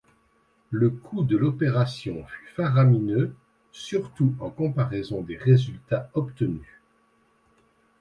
Le coût de l'opération fut faramineux, surtout en comparaison des résultats obtenus.